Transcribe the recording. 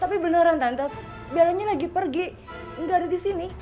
tapi beneran tante kan bellanya lagi pergi enggak ada di sini